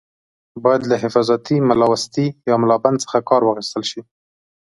باید له حفاظتي ملاوستي یا ملابند څخه کار واخیستل شي.